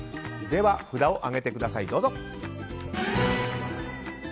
では、札を上げてください。